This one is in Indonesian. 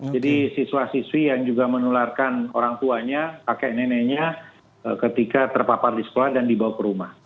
jadi siswa siswi yang juga menularkan orang tuanya pakek neneknya ketika terpapar di sekolah dan dibawa ke rumah